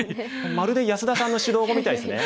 まるで安田さんの指導碁みたいですね。